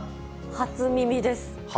初耳です。